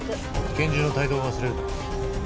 拳銃の帯同を忘れるな。